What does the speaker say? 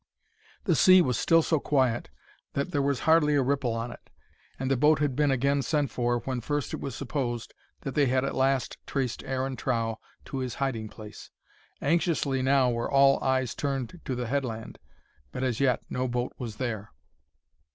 The sea was still so quiet that there was hardly a ripple on it, and the boat had been again sent for when first it was supposed that they had at last traced Aaron Trow to his hiding place. Anxiously now were all eyes turned to the headland, but as yet no boat was there.